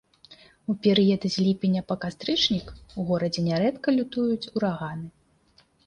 У перыяд з ліпеня па кастрычнік у горадзе нярэдка лютуюць ураганы.